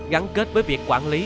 gắn kết với việc quản lý